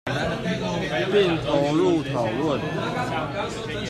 並投入討論